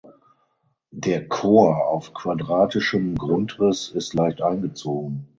Der Chor auf quadratischem Grundriss ist leicht eingezogen.